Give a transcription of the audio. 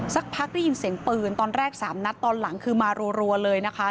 สักพักได้ยินเสียงปืนตอนแรก๓นัดตอนหลังคือมารัวเลยนะคะ